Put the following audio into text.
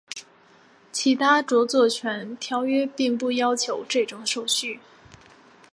其他着作权条约并不要求这种手续。